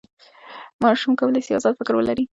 ماشوم کولی سي ازاد فکر ولري.